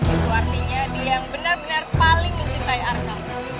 itu artinya dia yang benar benar paling mencintai arca